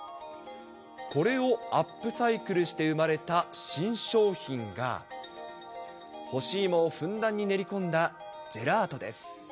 これをアップサイクルして生まれた新商品が、干し芋をふんだんに練り込んだジェラートです。